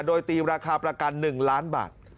โดยตีราคาประกัน๑ล้านบาท